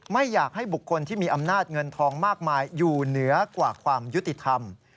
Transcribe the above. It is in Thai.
ไม่อยากให้บุคคลที่มีอำนาจเงินทองมากมายอยู่เหนือกว่าความยุติธรรม